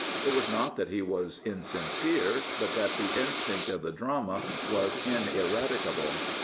It was not that he was insincere, but that the instinct of the drama was ineradicable.